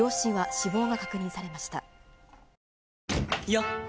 よっ！